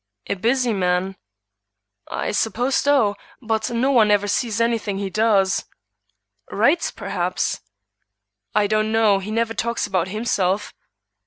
"A busy man?" "I suppose so, but no one ever sees any thing he does." "Writes, perhaps?" "I don't know; he never talks about himself."